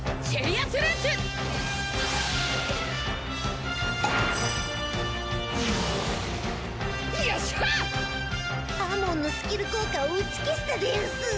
アモンのスキル効果を打ち消したでヤンス！